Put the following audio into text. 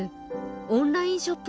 オンラインショップ